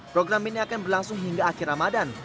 program ini akan berlangsung hingga akhir ramadan